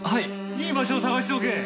いい場所を探しておけ。